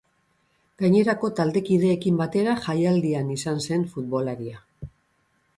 Gainerako taldekideekin batera, jaialdian izan zen futbolaria.